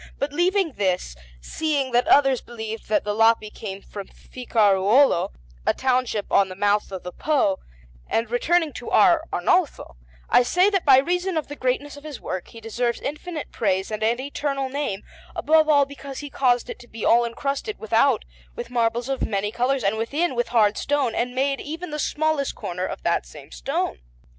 But leaving this, seeing that others believe that the Lapi came from Ficaruolo, a township on the mouth of the Po, and returning to our Arnolfo, I say that by reason of the greatness of this work he deserves infinite praise and an eternal name, above all because he caused it to be all incrusted, without, with marbles of many colours, and within, with hard stone, and made even the smallest corners of that same stone.